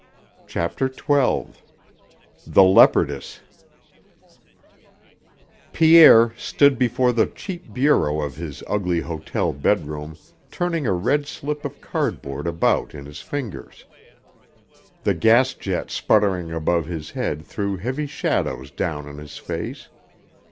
CHAPTER XII THE LEOPARDESS Pierre stood before the cheap bureau of his ugly hotel bedroom turning a red slip of cardboard about in his fingers. The gas jet sputtering above his head threw heavy shadows down on his face.